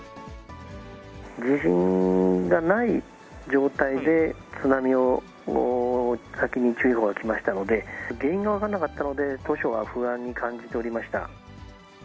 地震がない状態で津波の先に注意報が来ましたので、原因が分からなかったので、当初は不安に感じておりました。